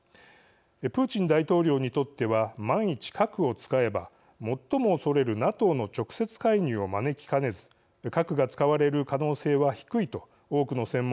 プーチン大統領にとっては万一核を使えば最も恐れるＮＡＴＯの直接介入を招きかねず核が使われる可能性は低いと多くの専門家は見ています。